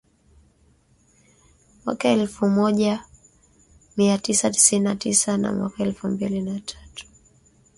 mwaka elfu moja mia tisa tisini na tisa na mwaka elfu mbili na tatu